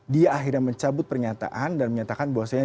dia akhirnya mencabut pernyataan dan menyatakan bahwasanya